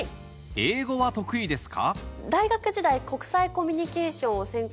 英語は得意ですか？